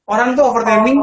orang tuh overtraining